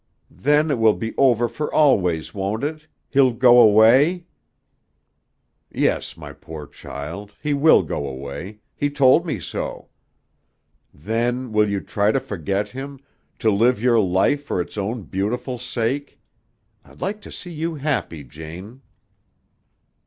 "Then it will be over for always, won't it? He'll go away?" "Yes, my poor child. He will go away. He told me so. Then, will you try to forget him, to live your life for its own beautiful sake? I'd like to see you happy, Jane."